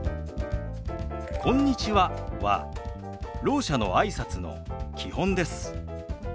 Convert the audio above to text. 「こんにちは」はろう者のあいさつの基本です。